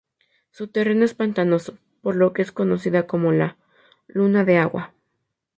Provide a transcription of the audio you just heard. Su terreno es pantanoso, por lo que es conocida como la "Luna de Agua".